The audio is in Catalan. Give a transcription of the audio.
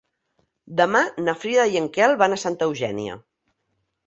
Demà na Frida i en Quel van a Santa Eugènia.